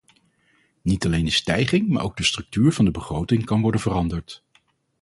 Niet alleen de stijging, maar ook de structuur van de begroting kan worden veranderd.